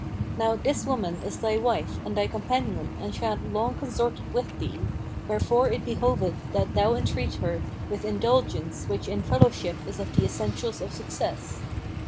Now this woman is thy wife and thy companion and she hath long consorted with thee; wherefore it behoveth that thou entreat her with indulgence which in fellowship is of the essentials of success.